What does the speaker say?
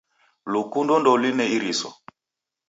Lukundo ndolune iriso.